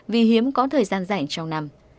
vì hiếm có thời gian rảnh trong năm